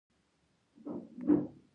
شېرمحمد له خپل ځانه تاو شوی څادر خلاص کړ.